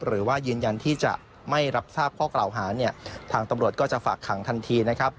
หรือว่ายืนยันที่จะไม่รับทราบข้อเกลาหาทางตำรวจก็จะฝากขังทันที